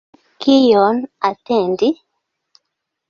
Kion atendi?